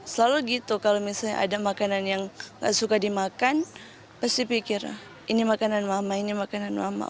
selalu gitu kalau misalnya ada makanan yang gak suka dimakan pasti pikir ini makanan mama ini makanan mama